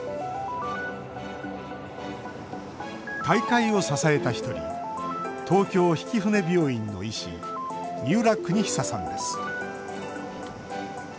大会を支えた１人東京曳舟病院の医師三浦邦久さんです。